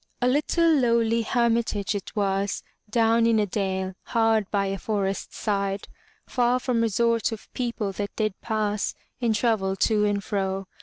A little, lowly Hermitage it was, Down in a dale, hard by a forest's side. Far from resort of people that did pass In travel to and fro.